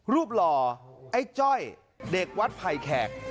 หล่อไอ้จ้อยเด็กวัดไผ่แขก